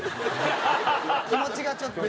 気持ちがちょっと。